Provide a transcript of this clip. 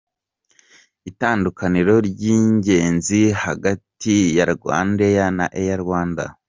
Itandukaniro ry’ingenzi hagati ya RwandAir na Air Rwanda: